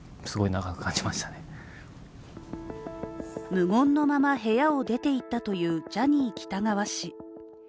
無言のまま部屋を出て行ったというジャニー喜多川氏。